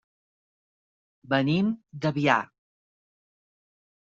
Venim d'Avià.